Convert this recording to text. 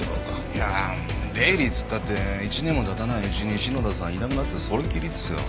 いや出入りっつったって１年も経たないうちに篠田さんいなくなってそれっきりですよ。